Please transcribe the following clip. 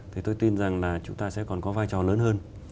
thì tôi tin rằng là chúng ta sẽ còn có vai trò lớn hơn